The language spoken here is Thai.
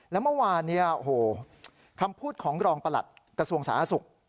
และเมื่อวานคำพูดของรองประหลัดกระทรวงศาสตร์ศุกร์